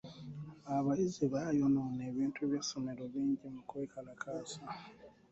Abayizi baayonoona ebintu by'essomero bingi mu kwekalakaasa.